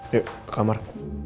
yuk ke kamar